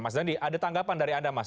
mas dandi ada tanggapan dari anda mas